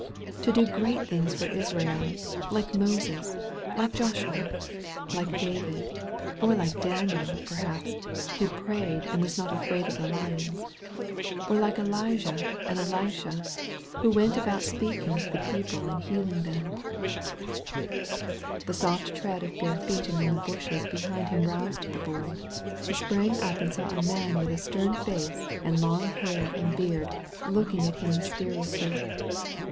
To do great things for Israel — ^like Moses, like Joshua, like David — or like Daniel, perhaps, who prayed and was not afraid of the lions — or like Elijah and Elisha, who went about speak ing to the people and healing them The soft tread of bare feet among the bushes behind him roused the Boy. He sprang up and saw a man with a stem face and long hair and beard 282 THE BOY OF NAZARETH DREAMS looking at him mysteriously.